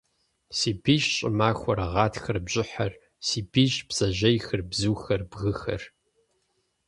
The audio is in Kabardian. Си бийщ щӏымахуэр, гъатхэр, бжьыхьэр. Си бийщ, бдзэжьейхэр, бзухэр, бгыхэр.